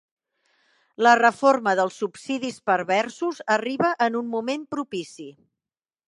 La reforma dels subsidis perversos arriba en un moment propici.